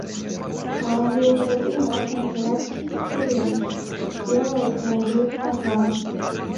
Маладыя грыбы можна ўжываць сырымі, спелыя рэкамендуецца адварваць.